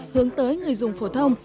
hướng tới người dùng phổ thông